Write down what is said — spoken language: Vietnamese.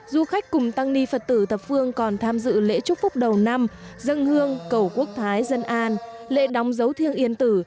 du khách cùng tăng ni phật tử thập phương còn tham dự lễ chúc phúc đầu năm dân hương cầu quốc thái dân an lễ đóng dấu thiêng yên tử